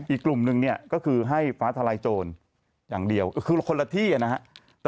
อีกกลุ่มหนึ่งเนี่ยก็คือให้ฟ้าทลายโจรอย่างเดียวคือคนละที่นะครับ